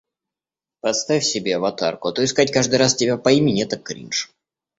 Поставь себе аватарку, а то искать каждый раз тебя по имени это кринж.